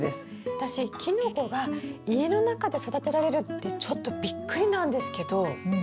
私キノコが家の中で育てられるってちょっとびっくりなんですけど。